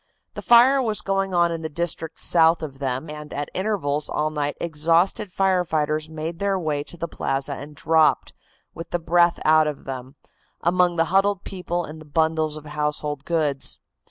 The fire was going on in the district south of them, and at intervals all night exhausted fire fighters made their way to the plaza and dropped, with the breath out of them, among the huddled people and the bundles of household goods.